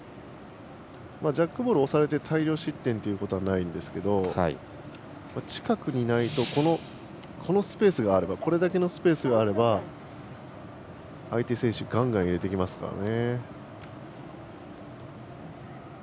ジャックボールを押されて大量失点ということはないんですけど近くにないとこのスペースがあれば相手選手がんがん入れてきますからね。